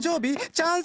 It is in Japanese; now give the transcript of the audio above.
チャンス！